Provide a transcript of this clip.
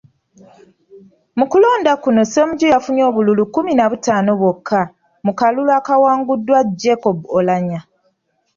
Mu kulonda kuno Ssemujju yafunye obululu kkumi na butaano bwokka mu kalulu akaawanguddwa Jacob Oulanyah .